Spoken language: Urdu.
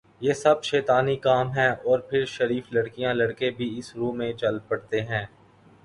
یہ سب شیطانی کام ہیں اور پھر شریف لڑکیاں لڑکے بھی اس رو میں چل پڑتے ہیں